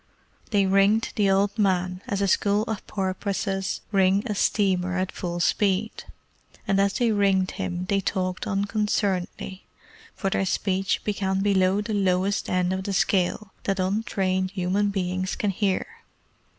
They ringed the old man as a school of porpoises ring a steamer at full speed, and as they ringed him they talked unconcernedly, for their speech began below the lowest end of the scale that untrained human beings can hear.